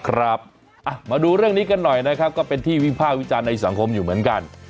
ครับมาดูเรื่องนี้กันหน่อยนะครับก็เป็นที่วิภาควิจารณ์ในสังคมอยู่เหมือนกัน